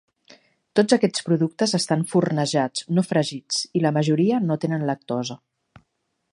Tots aquests productes estan fornejats, no fregits, i la majoria no tenen lactosa.